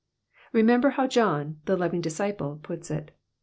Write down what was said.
Remsmber how John, the loving disciple, puts it.